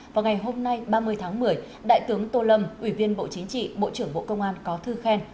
vào ngày hôm nay ba mươi tháng một mươi đại tướng tô lâm ủy viên bộ chính trị bộ trưởng bộ công an có thư khen